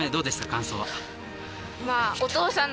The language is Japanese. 感想は。